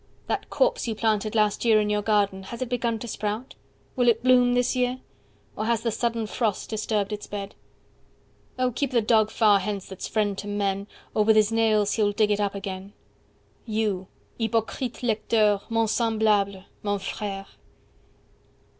70 That corpse you planted last year in your garden, Has it begun to sprout? Will it bloom this year? Or has the sudden frost disturbed its bed? Oh keep the Dog far hence, that's friend to men, Or with his nails he'll dig it up again! 75 You! hypocrite lecteur!—mon semblable,—mon frère!" II.